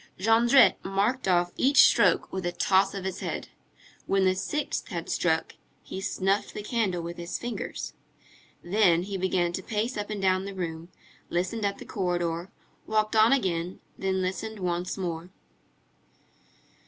Jondrette marked off each stroke with a toss of his head. When the sixth had struck, he snuffed the candle with his fingers. Then he began to pace up and down the room, listened at the corridor, walked on again, then listened once more.